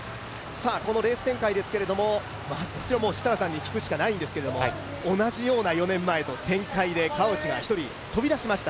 レース展開ですけれども、設楽さんに聞くしかないんですけれども同じような４年前との展開で川内が１人、飛び出しました。